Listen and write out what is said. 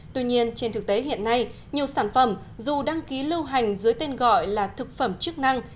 tuy nhiên trên thực tế hiện nay nhiều sản phẩm dù đăng ký lưu hành dưới tên gọi là thực phẩm chức năng